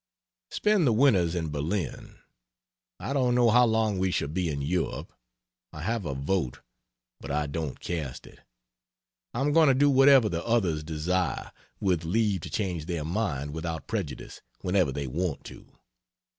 Spend the winters in Berlin. I don't know how long we shall be in Europe I have a vote, but I don't cast it. I'm going to do whatever the others desire, with leave to change their mind, without prejudice, whenever they want to.